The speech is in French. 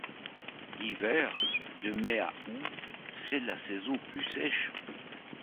L'hiver, de mai à août, c'est la saison plus sèche.